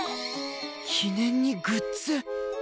記念にグッズ